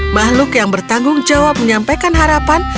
makhluk yang bertanggung jawab menyampaikan harapan